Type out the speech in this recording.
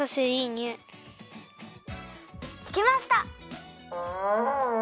できました！